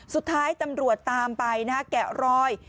สุดท้ายตำรวจตามไปนะฮะแกะรอย